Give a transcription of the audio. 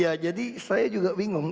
ya jadi saya juga bingung